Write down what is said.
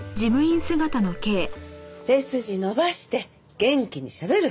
背筋伸ばして元気にしゃべる！